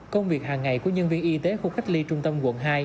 công việc hàng ngày của nhân viên y tế khu cách ly trung tâm quận hai